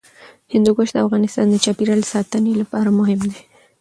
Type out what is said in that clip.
هندوکش د افغانستان د چاپیریال ساتنې لپاره مهم دي.